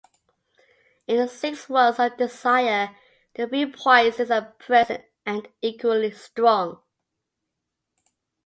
In the six worlds of desire, the three poisons are present and equally strong.